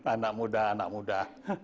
anak muda anak muda